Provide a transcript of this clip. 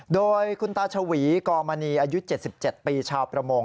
โดยคุณตาชวีกรมณีอายุ๗๗ปีชาวประมง